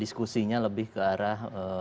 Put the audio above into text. diskusinya lebih ke arah